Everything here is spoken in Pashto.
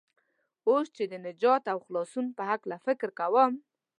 اوس چې د نجات او خلاصون په هلکه فکر کوم.